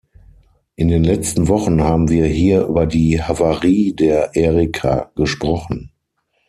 In den letzten Wochen haben wir hier über die Havarie der Erika gesprochen.